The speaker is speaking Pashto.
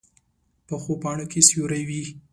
پخو پاڼو کې سیوری وي